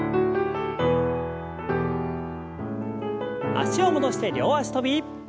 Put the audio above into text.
脚を戻して両脚跳び。